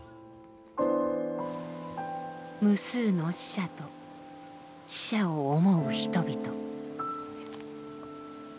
無数の死者と死者を思う人々。